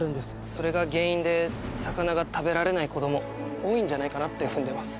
それが原因で魚が食べられない子供多いんじゃないかなって踏んでます。